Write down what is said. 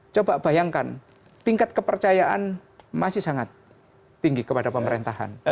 coba bayangkan tingkat kepercayaan masih sangat tinggi kepada pemerintahan